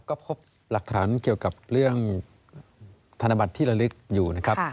ก็พบหลักฐานเกี่ยวกับเรื่องธนบัตรที่ระลึกอยู่นะครับ